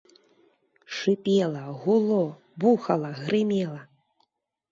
Шыпела, гуло, бухала, грымела.